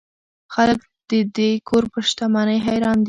خلک د دې کور پر شتمنۍ حیران دي.